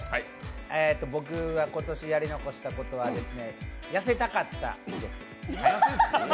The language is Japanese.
僕が今年やり残したことは、痩せたかったです。